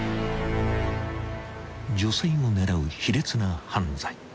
［女性を狙う卑劣な犯罪］